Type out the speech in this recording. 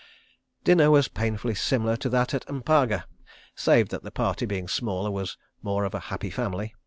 Dinner was painfully similar to that at M'paga, save that the party, being smaller, was more of a Happy Family.